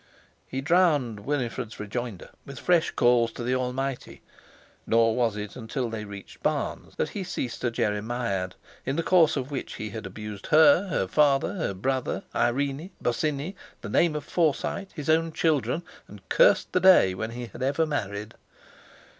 He drowned Winifred's rejoinder with fresh calls to the Almighty; nor was it until they reached Barnes that he ceased a Jeremiad, in the course of which he had abused her, her father, her brother, Irene, Bosinney, the name of Forsyte, his own children, and cursed the day when he had ever married.